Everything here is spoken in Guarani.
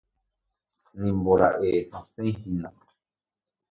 nimbora'e hasẽhína